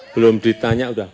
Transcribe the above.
belum ditanya udah